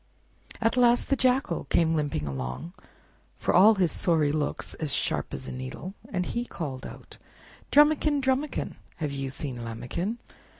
At last the Jackal came limping along, for all his sorry looks as sharp as a needle, and he too called out— "Drumikin! Drumikin! Have you seen Lambikin?"